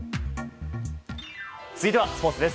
続いてはスポーツです。